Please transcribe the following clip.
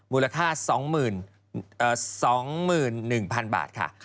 มูลค่า๒๑๐๐๐บาทค่ะ